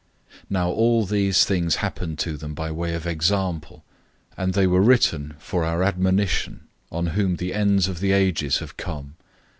010:011 Now all these things happened to them by way of example, and they were written for our admonition, on whom the ends of the ages have come.